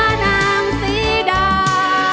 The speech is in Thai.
สู้ติดตามอานามสีดา